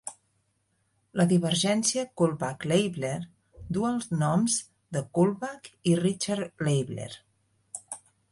La divergència Kullback-Leibler duu els noms de Kullback i Richard Leibler.